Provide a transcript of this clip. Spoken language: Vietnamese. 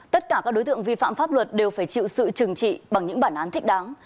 tất cả các đối tượng vi phạm pháp luật đều phải chịu sự trừng trị bằng những bản án thích đáng